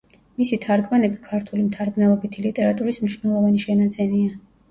მისი თარგმანები ქართული მთარგმნელობითი ლიტერატურის მნიშვნელოვანი შენაძენია.